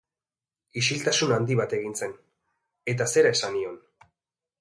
Isiltasun handi bat egin zen eta zera esan nion.